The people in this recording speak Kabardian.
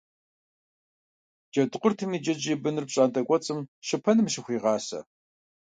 Джэдкъуртым и джэджьей быныр пщӀантӀэ кӀуэцӀым щыпэным щыхуегъасэ.